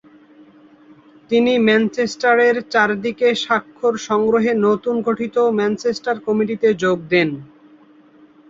তিনি ম্যানচেস্টারের চারিদিকে স্বাক্ষর সংগ্রহে নতুন গঠিত ম্যানচেস্টার কমিটিতে যোগ দেন।